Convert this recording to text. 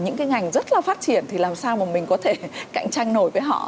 những cái ngành rất là phát triển thì làm sao mà mình có thể cạnh tranh nổi với họ